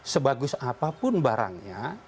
sebagus apapun barangnya